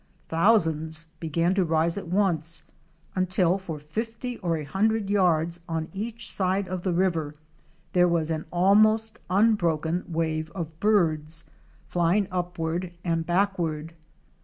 Thousands began to rise at once, until for fifty or a hun dred yards on each side of the river, there was an almost unbroken wave of birds, flying upward and backward.